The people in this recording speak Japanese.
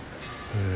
へえ。